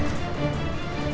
jangan pak landung